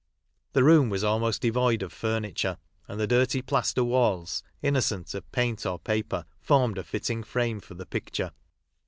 The room was almost devoid of furniture, and the dirty plaster walls, innocent of paint or paper, formed a fitting frame for the picture.